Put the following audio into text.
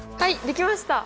できました！